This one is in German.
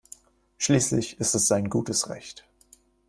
Schließlich ist es sein gutes Recht.